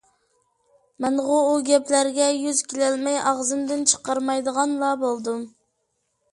مەنغۇ ئۇ گەپلەرگە يۈز كېلەلمەي ئاغزىمدىن چىقارمايدىغانلا بولدۇم.